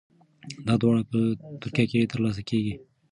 دا دواړه په ترکیه کې ترلاسه کیږي.